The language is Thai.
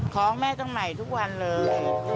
ของแม่ต้องใหม่ทุกวันเลย